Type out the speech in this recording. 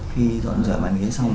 khi dọn dừa bàn ghế xong